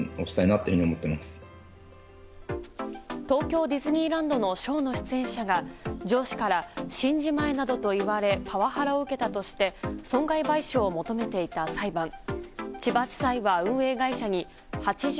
東京ディズニーランドのショーの出演者が上司から死んじまえなどと言われパワハラを受けたとして損害賠償を求めていた裁判。